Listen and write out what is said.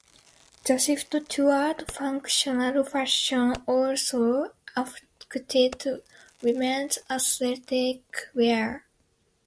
The shift toward functional fashion also affected women's athletic wear.